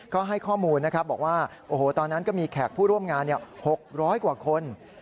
ก็ให้ข้อมูลบอกว่าตอนนั้นก็มีแขกผู้ร่วมงาน๖๐๐กว่าคน